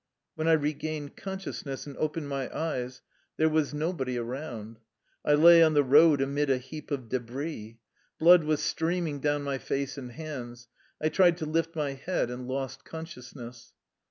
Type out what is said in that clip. When I regained consciousness and opened my eyes there was nobody around. I lay on the road amid a heap, of debris. Blood was stream ing down my face and hands. I tried to lift my head, and lost consciousness.